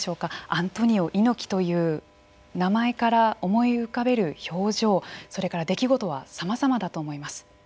アントニオ猪木という名前から思い浮かべる表情、それから出来事はさまざまだと思います。